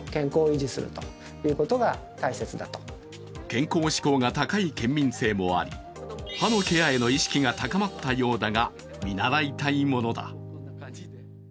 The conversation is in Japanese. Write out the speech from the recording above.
健康志向が高い県民性もあり、歯のケアへの意識が高まったようだが、見習いたいものだ。